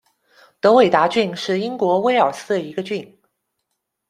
德韦达郡是英国威尔斯的一个郡。